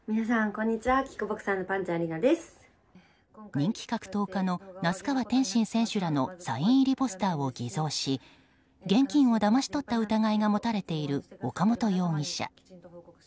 人気格闘家の那須川天心選手らのサイン入りポスターを偽造し現金をだまし取った疑いがもたれている岡本容疑者。